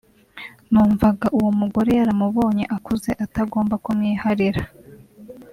numvaga uwo mugore yaramubonye akuze atagomba kumwiharira